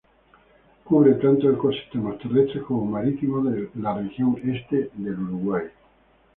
Cubre tanto ecosistemas terrestres como marítimos de la región este de Uruguay.